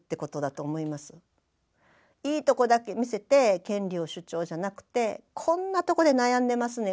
いいとこだけ見せて権利を主張じゃなくてこんなとこで悩んでますねん。